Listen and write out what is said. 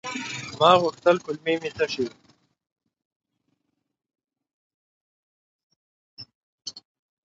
ما غوښتل کولمې مې تشي وي.